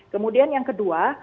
kemudian yang kedua